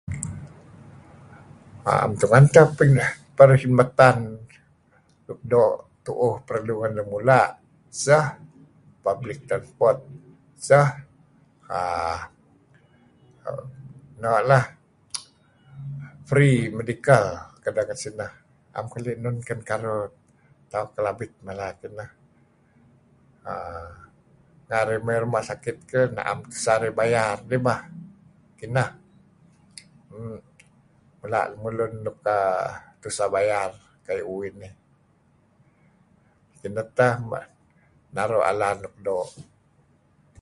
Naem tungen teh perhidmatan nuk doo' tuuh perlu tuen lun mula' sah public transport. Sah uhm noh lah free medical kedeh ngen sineh. Naem keli enun karuh tauh Lun Kelabit mala peh lah. Narih may ruma sakit sah am teh narih bayar dih bah. Mula' lemlun luk ah tuseh bayar bayar kayu' uih nih. Kineh tah naru' alad nuk doo'.